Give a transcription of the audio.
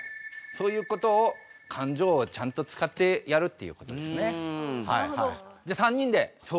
そういうことを感情をちゃんと使ってやるっていうことですね。